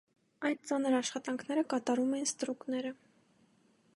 Այդ ծանր աշխատանքները կատարում էին ստրուկները։